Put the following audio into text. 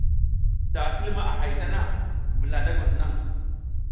Da ki luma a hay a tana, vula da ngwas naƞ.